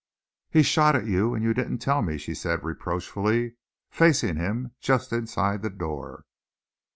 "He shot at you, and you didn't tell me!" she said, reproachfully, facing him just inside the door.